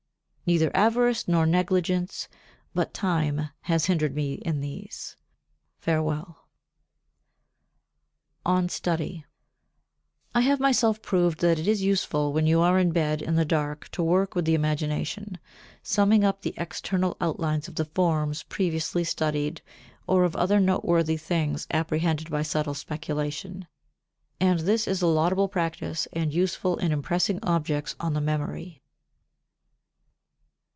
Neither avarice nor negligence, but time has hindered me in these. Farewell. [Sidenote: On Study] 63. I have myself proved that it is useful when you are in bed in the dark to work with the imagination, summing up the external outlines of the forms previously studied or other noteworthy things apprehended by subtle speculation; and this is a laudable practice and useful in impressing objects on the memory.